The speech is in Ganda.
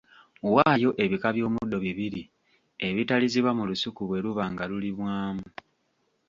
Waayo ebika by’omuddo bibiri ebitalizibwa mu lusuku bwe luba nga lulimwamu.